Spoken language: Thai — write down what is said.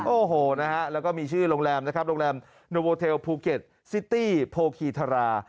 โอ้โหนะฮะแล้วก็มีชื่อโรงแรมนะครับโรงแรมโนโวเทลภูเก็ตซิตี้โพคีธารา